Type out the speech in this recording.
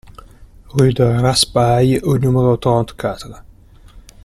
Rue de Raspail au numéro trente-quatre